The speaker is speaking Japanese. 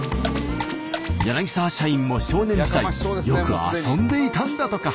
柳沢社員も少年時代よく遊んでいたんだとか。